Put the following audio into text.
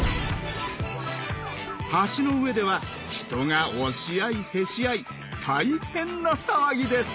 橋の上では人が押し合いへし合い大変な騒ぎです！